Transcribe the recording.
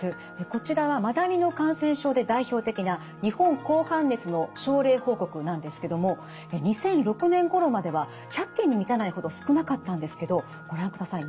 こちらはマダニの感染症で代表的な日本紅斑熱の症例報告なんですけども２００６年ごろまでは１００件に満たないほど少なかったんですけどご覧ください。